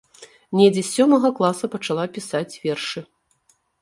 Недзе з сёмага класа пачала пісаць вершы.